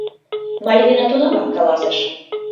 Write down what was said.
Мальвина тунамак каласыш: